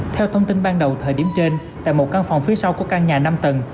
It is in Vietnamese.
theo thông tin ban đầu thời điểm trên tại một căn phòng phía sau của căn nhà năm tầng